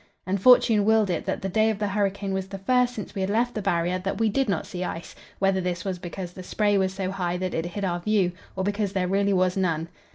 And fortune willed it that the day of the hurricane was the first since we had left the Barrier that we did not see ice whether this was because the spray was so high that it hid our view, or because there really was none.